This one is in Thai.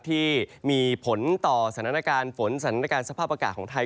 ที่มีผลต่อสถานการณ์ฝนสถานการณ์สภาพอากาศของไทย